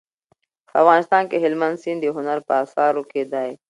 په افغانستان کې هلمند سیند د هنر په اثارو کې دی.